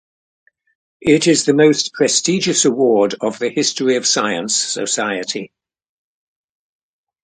It is the most prestigious award of the History of Science Society.